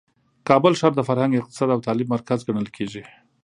کابل ښار د فرهنګ، اقتصاد او تعلیم مرکز ګڼل کیږي.